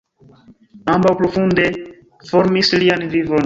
Ambaŭ profunde formis lian vivon.